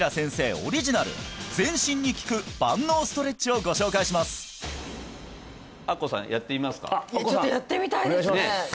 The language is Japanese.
オリジナル全身に効く万能ストレッチをご紹介します明子さんやってみますか？